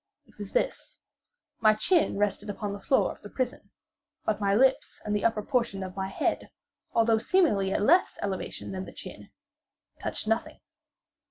It was this: my chin rested upon the floor of the prison, but my lips and the upper portion of my head, although seemingly at a less elevation than the chin, touched nothing.